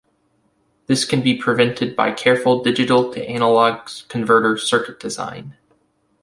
This can be prevented by careful digital-to-analog converter circuit design.